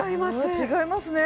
うわ違いますね